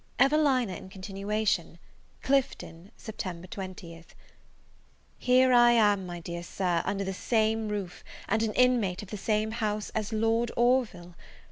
EVELINA IN CONTINUATION. Clifton, Sept. 20th. HERE I am, my dear Sir, under the same roof, and an inmate of the same house as Lord Orville!